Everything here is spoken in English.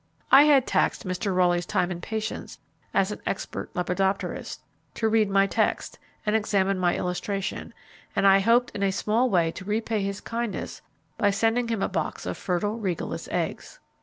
I had taxed Mr. Rowley's time and patience as an expert lepidopterist, to read my text, and examine my illustration; and I hoped in a small way to repay his kindness by sending him a box of fertile Regalis eggs.